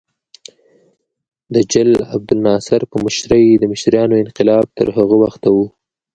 د جل عبدالناصر په مشرۍ د مصریانو انقلاب تر هغه وخته و.